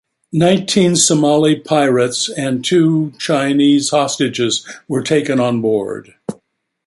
Nineteen Somali pirates and two Chinese hostages were taken on board.